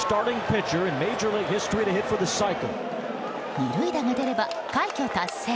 ２塁打が出れば快挙達成。